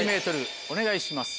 １ｍお願いします。